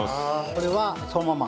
これはそのまま。